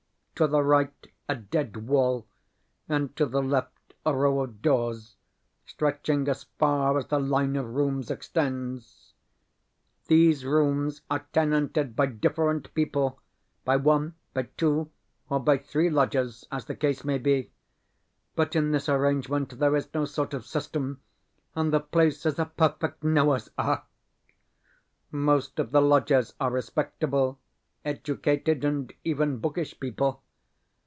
To the right a dead wall, and to the left a row of doors stretching as far as the line of rooms extends. These rooms are tenanted by different people by one, by two, or by three lodgers as the case may be, but in this arrangement there is no sort of system, and the place is a perfect Noah's Ark. Most of the lodgers are respectable, educated, and even bookish people.